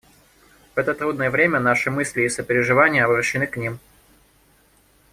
В это трудное время наши мысли и сопереживания обращены к ним.